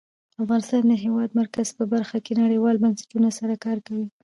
افغانستان د د هېواد مرکز په برخه کې نړیوالو بنسټونو سره کار کوي.